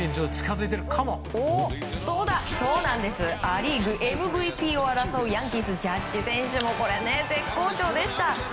ア・リーグＭＶＰを争うヤンキース、ジャッジ選手も絶好調でした。